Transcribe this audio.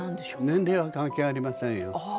年齢は関係ありませんよ。